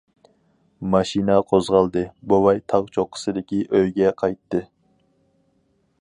ماشىنا قوزغالدى، بوۋاي تاغ چوققىسىدىكى ئۆيگە قايتتى.